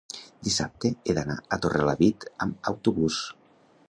dissabte he d'anar a Torrelavit amb autobús.